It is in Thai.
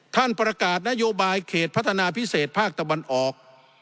ท่านประกาศนโยบายเขตพัฒนาพิเศษภาคตะวันออก